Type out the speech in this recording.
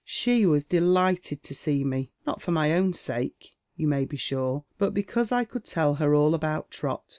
She was delighted to see me — not for ray own sake, you may be sure, but because I could tell her all about Trot.